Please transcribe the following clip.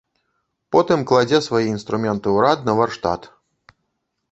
Потым кладзе свае інструменты ў рад на варштат.